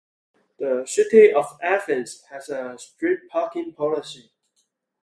The city of Athens has a strict parking policy.